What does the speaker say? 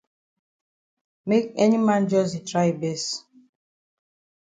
Make any man jus di try yi best.